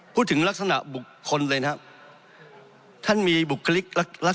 พูดถึงลักษณะบุคคลเลยนะครับ